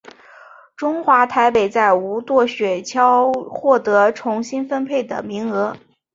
中华台北在无舵雪橇获得重新分配的名额。